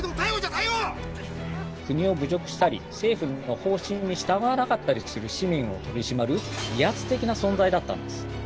国を侮辱したり政府の方針に従わなかったりする市民を取り締まる威圧的な存在だったんです。